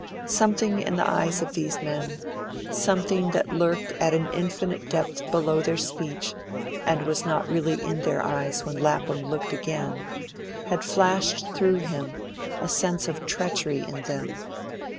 Something in the eyes of these men, something that lurked at an infinite depth below their speech, and was not really in their eyes when Lapham looked again, had flashed through him a sense of treachery in them.